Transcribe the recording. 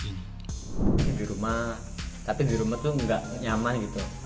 di rumah tapi di rumah tuh nggak nyaman gitu